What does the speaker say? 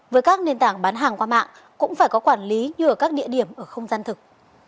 với các nền tảng bán hàng qua mạng cũng phải có quản lý như ở các địa điểm ở không gian thực